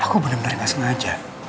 aku bener bener gak sengaja